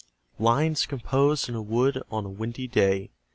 LINES COMPOSED IN A WOOD ON A WINDY DAY.